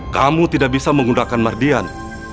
kamu tidak bisa menggunakan mardian